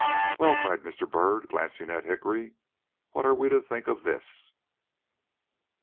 "Well!" cried Mr. Byrd, glancing at Hickory, "what are we to think of this?"